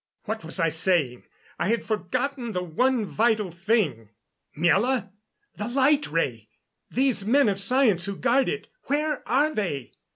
What was I saying? I had forgotten the one vital thing! "Miela! The light ray! These men of science who guard it, where are they?